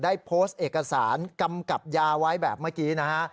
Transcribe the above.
ได้โพสต์เอกสารกำกับยาไว้แบบเมื่อกี้นะฮะ